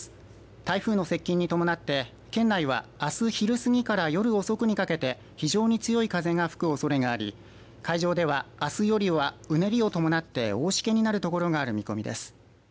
台風の接近に伴って県内はあす昼過ぎから夜遅くにかけて非常に強い風が吹くおそれがあり海上ではあす夜は、うねりを伴って大しけになる見込みです。